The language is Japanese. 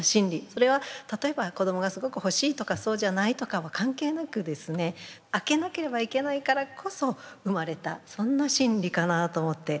それは例えば子どもがすごく欲しいとかそうじゃないとかは関係なく空けなければいけないからこそ生まれたそんな心理かなと思って。